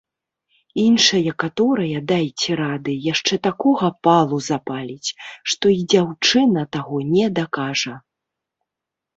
Іншая каторая, дайце рады, яшчэ такога палу запаліць, што і дзяўчына таго не дакажа!